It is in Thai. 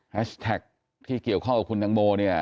แฮชแท็กที่เกี่ยวข้องกับคุณทางโม